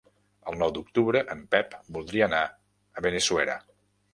El nou d'octubre en Pep voldria anar a Benissuera.